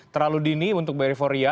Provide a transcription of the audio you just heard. terlalu dini untuk beryforia